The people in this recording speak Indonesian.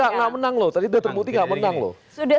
jangan enggak enggak menang loh tadi sudah terbukti enggak menang loh